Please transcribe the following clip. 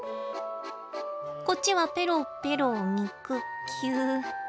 こっちはペろペろ肉球。